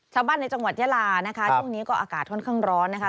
ในจังหวัดยาลานะคะช่วงนี้ก็อากาศค่อนข้างร้อนนะคะ